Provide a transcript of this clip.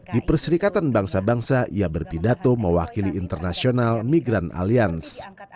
di perserikatan bangsa bangsa ia berpidato mewakili internasional migran aliens